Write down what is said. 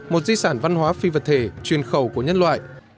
một di sản văn hóa phi vật thể chuyên khẩu của nhân loại